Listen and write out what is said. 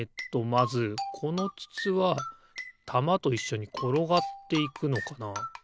まずこのつつはたまといっしょにころがっていくのかな。